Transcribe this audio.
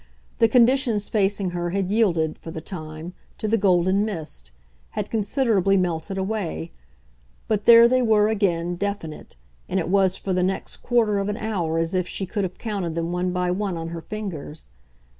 The conditions facing her had yielded, for the time, to the golden mist had considerably melted away; but there they were again, definite, and it was for the next quarter of an hour as if she could have counted them one by one on her fingers.